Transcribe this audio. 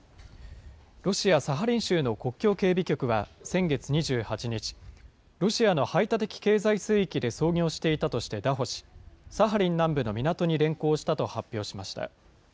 ロシア・サハリン州の国境警備局は先月２８日、ロシアの排他的経済水域で操業していたとしてだ捕し、サハリン南部の港に連行したと発表しました。